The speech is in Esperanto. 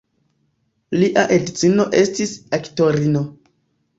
Lia edzino estis aktorino.